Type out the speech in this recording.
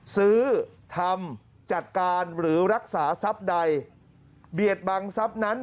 ซื้อทำจัดการหรือรักษาทรัพย์ใดเบียดบังทรัพย์นั้น